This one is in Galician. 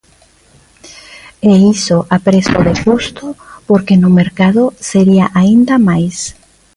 E iso, a prezo de custo, porque no mercado sería aínda máis.